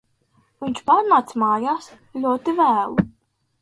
Viņš pārnāca mājās ļoti vēlu